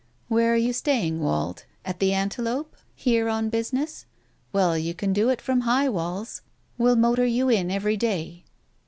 " Where are you staying, Wald ? At the Antelope ? Here on business? Well, you can do it from High Walls. We'll motor you in every day.